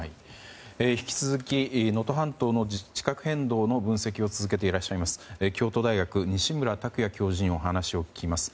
引き続き、能登半島の地殻変動の分析を続けていらっしゃいます京都大学、西村卓也教授にお話を聞きます。